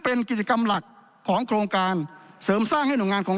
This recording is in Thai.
เป็นกิจกรรมหลักของโครงการเสริมสร้างให้หน่วยงานของ